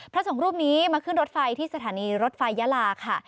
พระสงฆ์รูปนี้มาขึ้นรถไฟที่สถานีรถไฟยาลาค่ะ